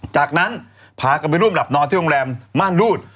จากนั้นพากันไปร่วมหลับนอนที่โรงแรมม่านรูด